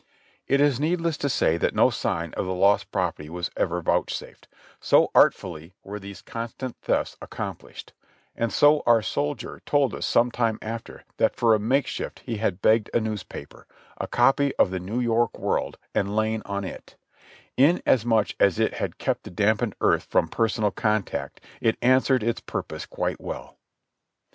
It is needless to say that no sign of the lost property was ever vouchsafed, so artfully were these constant thefts accomplished ; and so our soldier told us some time after that for a makeshift he had begged a newspaper, a copy of the New York World, and lain on that ; and inasmuch as it had kept the dampened earth from personal contact, it answered its purpose quite well.